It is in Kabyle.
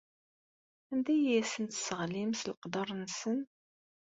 Anda ay asen-tesseɣlim s leqder-nsen?